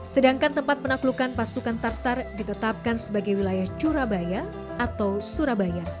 sedangkan tempat penaklukan pasukan tartar ditetapkan sebagai wilayah curabaya atau surabaya